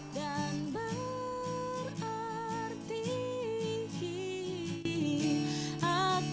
sampai jumpa lagi